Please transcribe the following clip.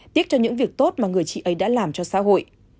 tiếc cho những việc tốt mà người chị ấy đã làm cho xã hội